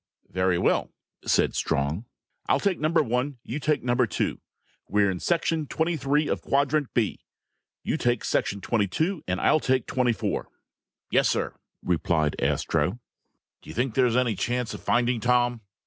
"Very well," said Strong. "I'll take number one, you take number two. We're in section twenty three of quadrant B. You take section twenty two and I'll take twenty four." "Yes, sir," replied Astro. "Do you think there's any chance of finding Tom?"